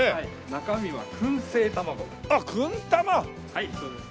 はいそうです。